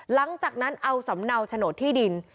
หลังจากนั้นเอาสำเนาโฉนดที่ดิน